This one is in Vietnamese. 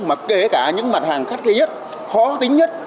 mà kể cả những mặt hàng khắc kế nhất khó tính nhất